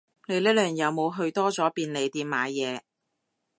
你呢輪有冇去多咗便利店買嘢